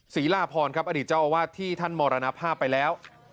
ลาพรครับอดีตเจ้าอาวาสที่ท่านมรณภาพไปแล้ว